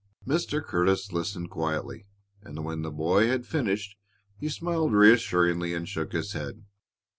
Mr. Curtis listened quietly, and when the boy had finished he smiled reassuringly and shook his head.